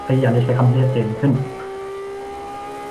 พยายามจะใช้คำที่ชัดเจนขึ้น